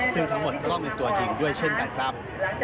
ซึ่งทั้งหมดก็ต้องเป็นตัวจริงด้วยเช่นกันครับ